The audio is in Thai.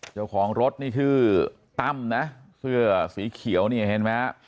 เจ้าของรถนี่คือตั้มนะเสื้อสีเขียวเนี่ยเห็นไหมฮะ